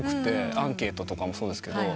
アンケートとかもそうですが。